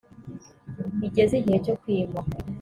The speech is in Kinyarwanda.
igeze igihe cyo kwima